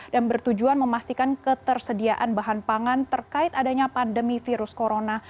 dan bertujuan memastikan ketersediaan bahan pangan terkait adanya pandemi virus corona